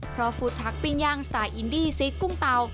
เพราะฟู้ดทักปิ้งย่างสไตล์อินดี้ซีสกุ้งเตา